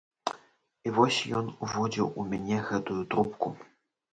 І вось ён уводзіў у мяне гэтую трубку.